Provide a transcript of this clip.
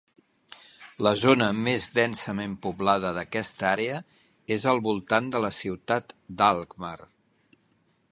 La zona més densament poblada d'aquesta àrea és al voltant de la ciutat d'Alkmaar.